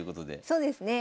そうですね。